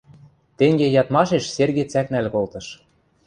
Тенге ядмашеш Серге цӓкнӓл колтыш.